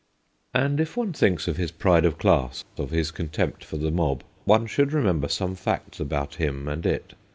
And if one thinks of his pride of class, of his contempt for the mob, one should re member some facts about him and it.